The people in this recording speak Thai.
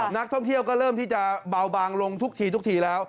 นักท่องเที่ยวก็เริ่มที่จะเบาบางลงทุกทีทุกทีแล้ว